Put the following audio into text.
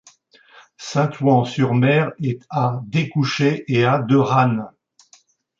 Saint-Ouen-sur-Maire est à d'Écouché et à de Rânes.